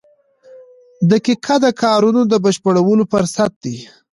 • دقیقه د کارونو د بشپړولو فرصت دی.